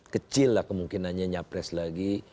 kecil lah kemungkinannya nyapres lagi